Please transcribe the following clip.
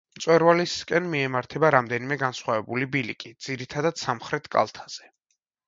მწვერვალისკენ მიემართება რამდენიმე განსხვავებული ბილიკი, ძირითადად სამხრეთ კალთაზე.